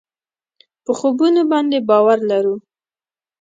په خوبونو باندې باور لرو.